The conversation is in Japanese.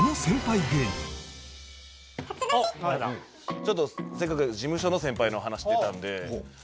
ちょっとせっかくやし事務所の先輩の話出たんで。